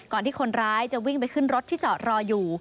ที่คนร้ายจะวิ่งไปขึ้นรถที่จอดรออยู่